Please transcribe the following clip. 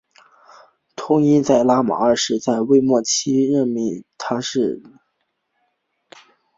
通因在拉玛二世在位末期被任命为那空叻差是玛的总督。